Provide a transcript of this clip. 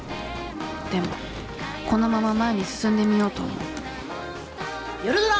でもこのまま前に進んでみようと思う夜ドラ！